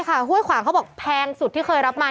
ใช่ค่ะข้อบอกแพงสุดที่เคยรับมา